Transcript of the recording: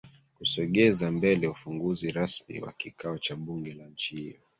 kusogeza mbele ufunguzi rasmi wa kikao cha bunge la nchi hiyo